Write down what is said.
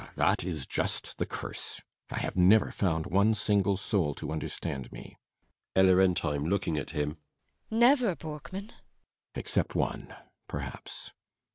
Ah, that is just the curse I have never found one single soul to understand me. ELLA RENTHEIM. [Looking at him.] Never, Borkman? BORKMAN. Except one perhaps.